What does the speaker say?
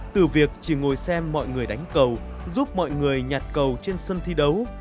từ việc chỉ ngồi xem mọi người đánh cầu giúp mọi người nhặt cầu trên sân thi đấu